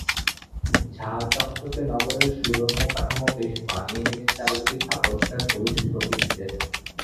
ঝাঁ-চকচকে নগরের সুরম্য কাঠামো বেশ মানিয়ে নিয়েছে চারদিকে সাগরঘেঁষা সবুজ প্রকৃতিতে।